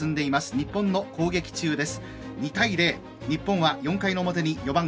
日本の攻撃中です。